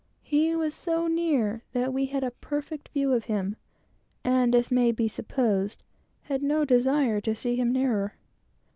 He was so near that we had a perfect view of him and as may be supposed, had no desire to see him nearer.